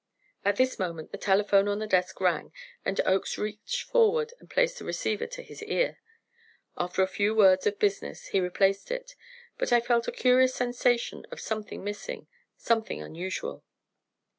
At this moment the telephone on the desk rang, and Oakes reached forward and placed the receiver to his ear. After a few words of business he replaced it, but I felt a curious sensation of something missing, something unusual.